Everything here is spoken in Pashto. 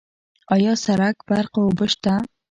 آیا سرک، برق او اوبه شته؟